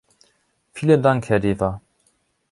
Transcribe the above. Vielen Dank, Herr Deva.